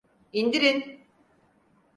İndirin!